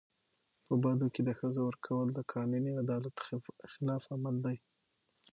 په بدو کي د ښځو ورکول د قانوني عدالت خلاف عمل دی.